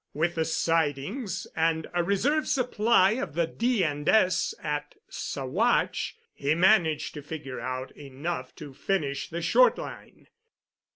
With the sidings and a reserve supply of the D. & S. at Saguache, he managed to figure out enough to finish the Short Line.